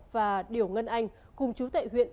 và điểu ngân anh cùng chú tệ huyện